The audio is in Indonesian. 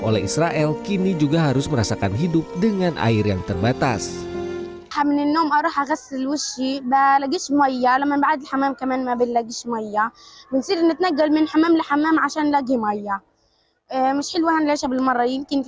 oleh israel kini juga harus merasakan hidup dengan air yang terbatas